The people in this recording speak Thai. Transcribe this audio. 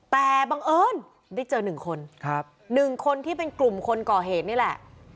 แต่บังเอิญได้เจอ๑คนครับ๑คนที่เป็นกลุ่มคนก่อเหตุนี่แหละ